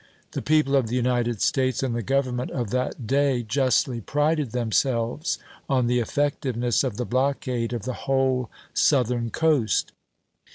The people of the United States and the Government of that day justly prided themselves on the effectiveness of the blockade of the whole Southern coast.